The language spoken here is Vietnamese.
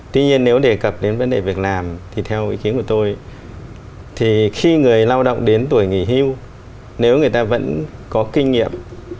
tuy nhiên nếu đề cập đến vấn đề việc làm thì theo ý kiến của tôi thì khi người lao động đến tuổi nghỉ hưu nếu người ta vẫn có kinh nghiệm